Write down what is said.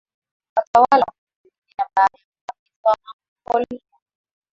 watawala wa kujitegemea Baada ya uvamizi wa Wamongolia